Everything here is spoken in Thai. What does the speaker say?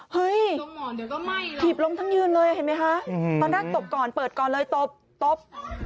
เฮ้ยถีบล้มทั้งยืนเลยเห็นไหมคะตอนแรกตบก่อนเปิดก่อนเลยตบตบ